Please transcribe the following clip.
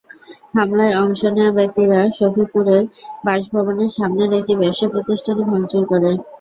হামলায় অংশ নেওয়া ব্যক্তিরা শফিকুরের বাসভবনের সামনের একটি ব্যবসাপ্রতিষ্ঠানে ভাঙচুর করে।